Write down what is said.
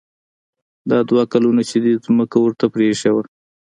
دا دومره کلونه چې دې ځمکه ورته پرېښې وه.